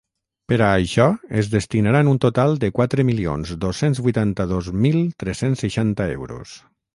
Per a això es destinaran un total de quatre milions dos-cents vuitanta-dos mil tres-cents seixanta euros.